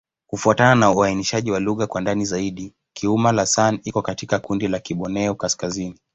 Kufuatana na uainishaji wa lugha kwa ndani zaidi, Kiuma'-Lasan iko katika kundi la Kiborneo-Kaskazini.